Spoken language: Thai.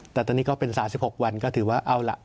แต่ตอนนี้ก็เป็น๓๖วันก็ถือว่าเอาล่ะ